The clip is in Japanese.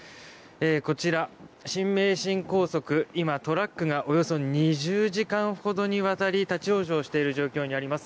こちら新名神高速、トラックがおよそ２０時間ほどにわたり立ち往生している状況になります。